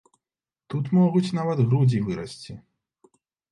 Тут могуць нават грудзі вырасці.